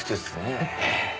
ええ。